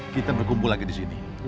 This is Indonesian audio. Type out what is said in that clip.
kita berkumpul lagi disini